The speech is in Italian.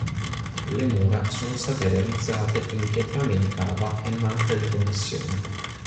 Le mura sono state realizzate in pietrame di cava e malta di connessione.